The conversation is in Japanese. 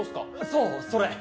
そうそれ！